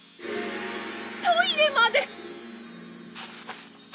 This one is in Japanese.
トイレまで！